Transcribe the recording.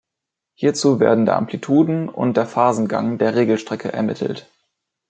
Hierzu werden der Amplituden- und der Phasengang der Regelstrecke ermittelt.